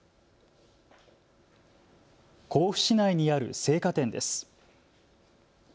甲府市内にある生花店です。